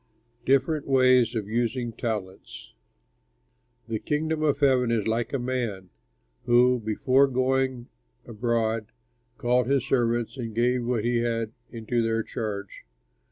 DIFFERENT WAYS OF USING TALENTS "The Kingdom of Heaven is like a man who before going abroad called his servants and gave what he had into their charge.